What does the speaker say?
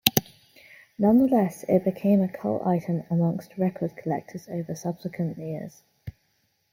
Nonetheless it became a cult item amongst record collectors over subsequent years.